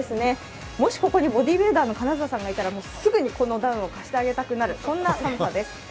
もしここにボディービルダーの金澤さんがいたら、すぐこのダウンを貸してあげたくなるそんな寒さです。